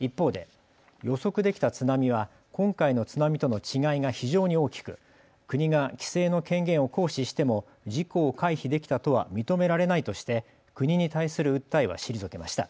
一方で予測できた津波は今回の津波との違いが非常に大きく国が規制の権限を行使しても事故を回避できたとは認められないとして国に対する訴えは退けました。